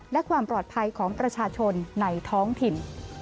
และความปลอดภัยของประชาชนในท้องถิ่น